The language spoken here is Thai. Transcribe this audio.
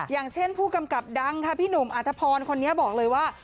อย่างเช่นผู้กำกับดังค่ะพี่หนุ่มอัธพรคนนี้บอกเลยว่า